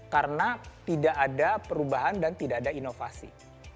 karena tidak ada perubahan dan tidak ada inovasi